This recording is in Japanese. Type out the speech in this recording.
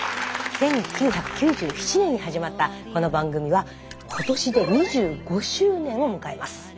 １９９７年に始まったこの番組は今年で２５周年を迎えます。